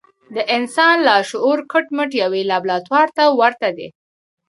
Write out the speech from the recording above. د انسان لاشعور کټ مټ يوې لابراتوار ته ورته دی.